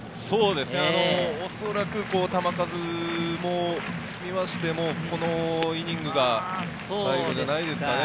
おそらく球数を見ても、このイニングが最後じゃないですかね。